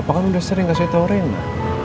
pak kan udah sering kasih tau reina